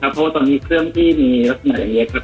เพราะว่าตอนนี้เครื่องที่มีลักษณะเล็กครับ